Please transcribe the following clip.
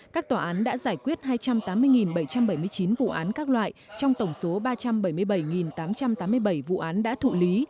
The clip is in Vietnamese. các tòa án đã giải quyết hai trăm tám mươi bảy trăm bảy mươi chín vụ án các loại trong tổng số ba trăm bảy mươi bảy tám trăm tám mươi bảy vụ án đã thụ lý